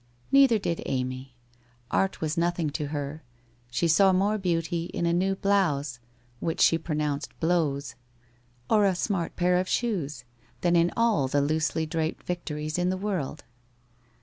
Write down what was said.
Neither did Amy. Art was nothing to her. She saw more beauty in a new blouse — which she pronounced blowze — or a smart pair of shoes, than in all the loosely draped Vic tories in the world.